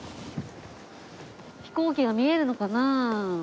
飛行機が見えるのかな？